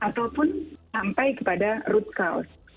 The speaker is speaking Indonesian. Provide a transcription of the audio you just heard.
ataupun sampai kepada root cause